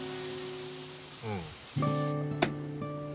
うん。